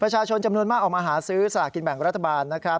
จำนวนมากออกมาหาซื้อสลากกินแบ่งรัฐบาลนะครับ